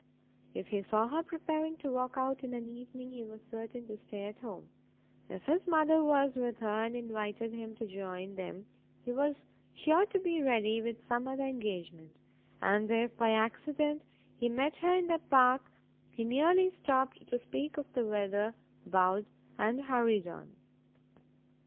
If he saw her preparing to walk out in an evening, he was certain to stay at home; if his mother was with her, and invited him to join them, he was sure to be ready with some other engagement; and if by accident he met her in the park, he merely stopt to speak of the weather, bowed, and hurried on.